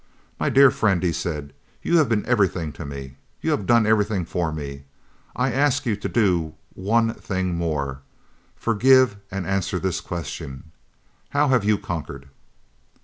"My dear friend," he said, "you have been everything to me; you have done everything for me; I ask you to do one thing more, forgive and answer this question: How have you conquered?"